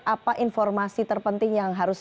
apa informasi terpenting yang harus